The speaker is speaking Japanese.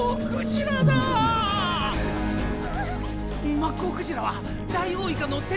マッコウクジラはダイオウイカの天敵！